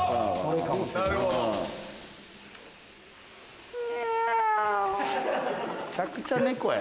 めちゃくちゃ猫や。